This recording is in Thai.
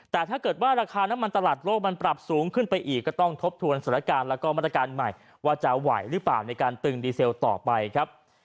แต่ถ้าเกิดว่าราคาน้ำมันตลาดโลกมันปรับสูงขึ้นไปอีกก็ต้องทบทวนสถานการณ์แล้วก็มาตรการใหม่ว่าจะไหวหรือเปล่าในการตึงดีเซลต่อไปครับ